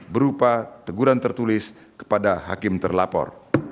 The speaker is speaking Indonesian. berupa teguran tertulis kepada hakim terlapor